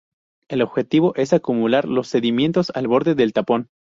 El objetivo es acumular los sedimentos al borde del tapón.